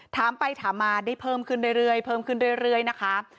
ถามไปถามมาได้เพิ่มขึ้นเรื่อยนะครับ